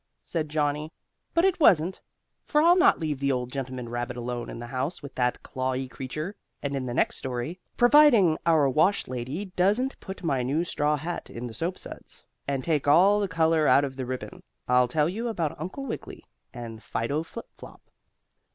said Johnnie. But it wasn't. For I'll not leave the old gentleman rabbit alone in the house with that clawy creature. And in the next story, providing our wash lady doesn't put my new straw hat in the soap suds, and take all the color out of the ribbon, I'll tell you about Uncle Wiggily and Fido Flip Flop.